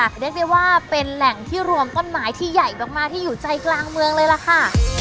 เรียกได้ว่าเป็นแหล่งที่รวมต้นไม้ที่ใหญ่มากที่อยู่ใจกลางเมืองเลยล่ะค่ะ